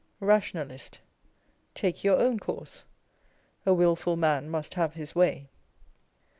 Rationalist. Take your own course. A wilful man must have Ms way.